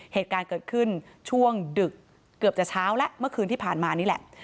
เหตุการณ์เกิดขึ้นช่วงดึกเกือบจะเช้าแล้วเมื่อคืนที่ผ่านมานี่แหละ